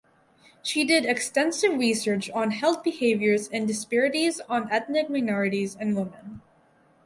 She did extensive research on health behaviors and disparities on ethnic minorities and women.